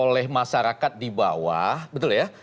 oleh masyarakat di bawah betul ya